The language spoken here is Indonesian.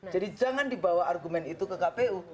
jadi jangan dibawa argumen itu ke kpu